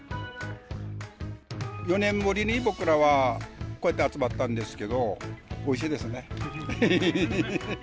４年ぶりに僕らはこうやって集まったんですけど、おいしいですね。